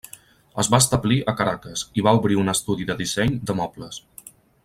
Es va establir a Caracas i va obrir un estudi de disseny de mobles.